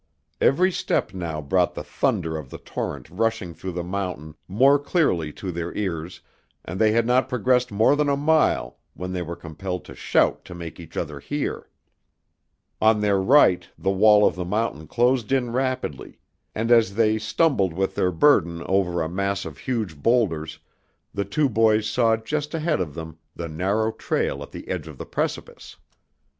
Every step now brought the thunder of the torrent rushing through the mountain more clearly to their ears, and they had not progressed more than a mile when they were compelled to shout to make each other hear. On their right the wall of the mountain closed in rapidly, and as they stumbled with their burden over a mass of huge boulders the two boys saw just ahead of them the narrow trail at the edge of the precipice.